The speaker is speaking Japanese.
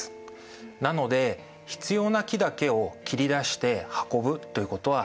なので必要な木だけを切り出して運ぶということは難しいんですね。